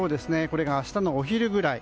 これが明日のお昼ぐらい。